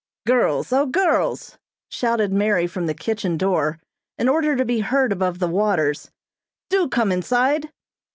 "Girls, O girls!" shouted Mary from the kitchen door in order to be heard above the waters, "Do come inside!"